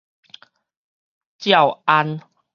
詔安